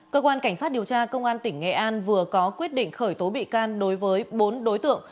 cơ quan cảnh sát điều tra công an tỉnh nghệ an vừa có quyết định khởi tố bị can đối với bốn đối tượng